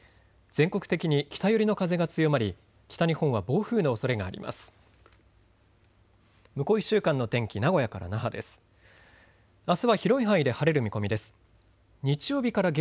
全国的に北寄りの風が強まり北日本は暴風のおそれがあります。